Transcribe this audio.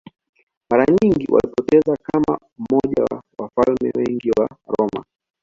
Mara nyingi walipoteza kama mmoja wa wafalme wengi wa Roma